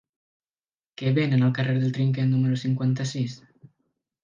Què venen al carrer del Trinquet número cinquanta-sis?